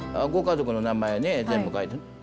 ご家族の名前ね全部書いて。